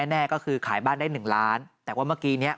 แน่ก็คือขายบ้านได้หนึ่งล้านแต่ว่าเมื่อกี้เนี้ย